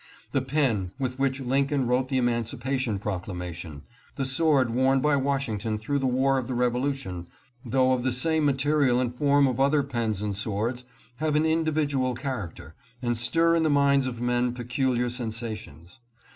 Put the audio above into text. The pen with which Lincoln wrote the emancipation proclamation, the sword worn by Washington through the war of the Revolution, though of the same material and form of other pens and swords, have an individual character, and stir in the minds of men peculiar sensations.